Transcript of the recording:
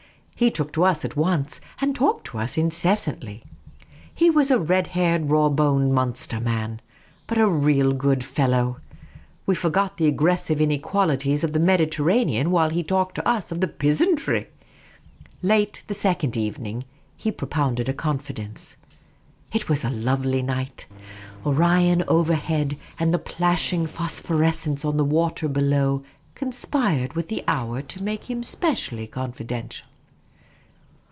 He took to us at once, and talked to us incessantly. He was a red haired, raw boned Munster man, but a real good fellow. We forgot the aggressive inequalities of the Mediterranean while he talked to us of " the pizzantry." Late the second evening he propounded a confidence. It was a lovely night ; Orion overhead, and the plashing phosphorescence on the water below conspired v;it.h the hour to make him specially confidential.